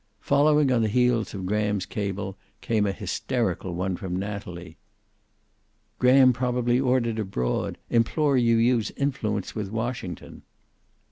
Following on the heels of Graham's cable came a hysterical one from Natalie. "Graham probably ordered abroad. Implore you use influence with Washington."